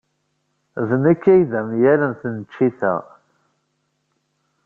D nekk ay d myall n tneččit-a.